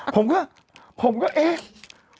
ผมก็ผมก็เอ๊ะ